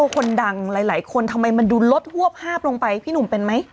คนดังหลายคนทำไมมันดูลดฮวบภาพลงไปพี่หนุ่มเป็นไหม